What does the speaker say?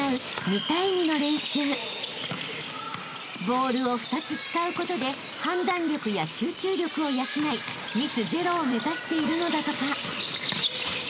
［ボールを２つ使うことで判断力や集中力を養いミスゼロを目指しているのだとか］